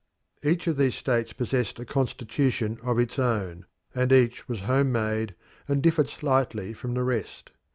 Each of these states possessed a constitution of its own, and each was home made and differed slightly from the rest.